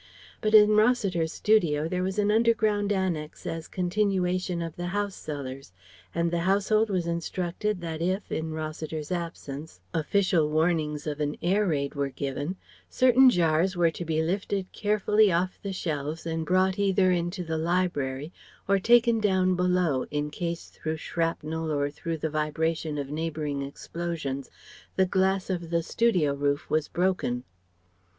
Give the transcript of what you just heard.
But in Rossiter's studio there was an under ground annex as continuation of the house cellars; and the household was instructed that if, in Rossiter's absence, official warnings of an air raid were given, certain jars were to be lifted carefully off the shelves and brought either into the library or taken down below in case, through shrapnel or through the vibration of neighbouring explosions, the glass of the studio roof was broken.